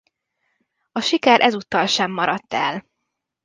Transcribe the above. A siker ezúttal sem maradt el.